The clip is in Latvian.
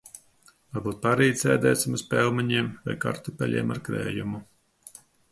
Varbūt parīt sēdēsim uz pelmeņiem vai kartupeļiem ar krējumu.